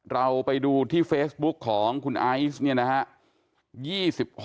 เราไปดูที่เฟซบุ๊กของคุณไอซ์